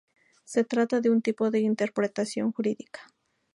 Se trata de un tipo de interpretación jurídica.